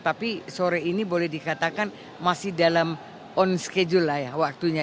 tapi sore ini boleh dikatakan masih dalam on schedule lah ya waktunya